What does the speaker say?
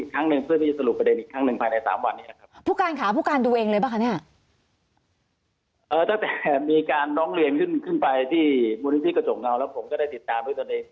กั้นสงสัยทำงานน้องเรียมขึ้นไปที่บุธพี่กระจกเงาแล้วผมก็ได้ติดตามด้วยกันเอง